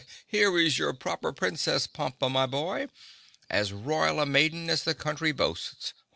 "Here is your Proper Princess, Pompa, my boy—as royal a maiden as the country boasts.